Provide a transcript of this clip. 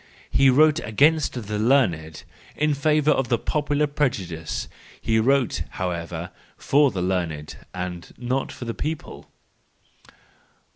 He wrote against the learned, in favour of popular prejudice ; he wrote, however, for the learned and not for the people.